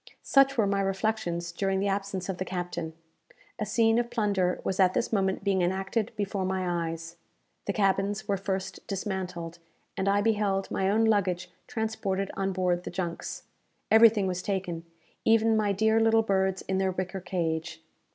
Such were my reflections during the absence of the captain. A scene of plunder was at this moment being enacted before my eyes. The cabins were first dismantled; and I beheld my own luggage transported on board the junks. Everything was taken even my dear little birds in their wicker cage.